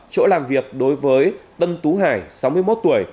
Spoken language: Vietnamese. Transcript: chỗ làm việc đối với tân tú hải sáu mươi một tuổi